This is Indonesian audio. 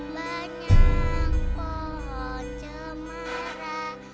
banyak pohon cemara